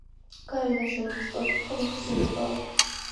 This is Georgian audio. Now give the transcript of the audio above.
გარედან შენობას სწორკუთხა მოხაზულობა აქვს.